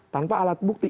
tanpa alat bukti